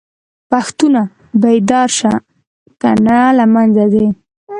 پښتونه!! بيدار شه کنه له منځه ځې